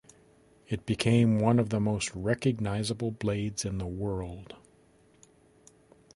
It became one of the most recognizable blades in the world.